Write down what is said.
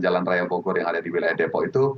jalan raya bogor yang ada di wilayah depok itu